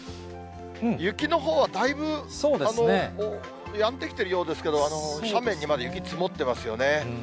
雪のほうはだいぶやんできてるようですけど、斜面にまで雪積もってますよね。